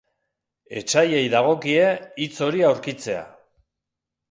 Etsaiei dagokie hitz hori aurkitzea.